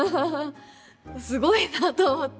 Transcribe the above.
すごいなと思って。